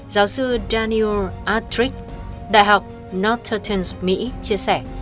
giáo sư daniel attrick đại học north tertens mỹ chia sẻ